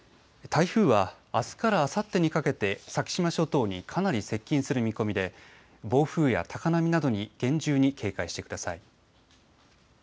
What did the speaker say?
台風はあすからあさってにかけて先島諸島にかなり接近する見込みで暴風や高波などに厳重に警戒してください。